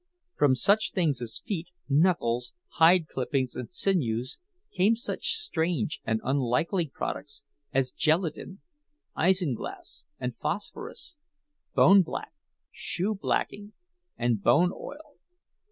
From such things as feet, knuckles, hide clippings, and sinews came such strange and unlikely products as gelatin, isinglass, and phosphorus, bone black, shoe blacking, and bone oil.